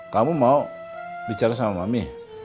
kamu mau bicara sama mami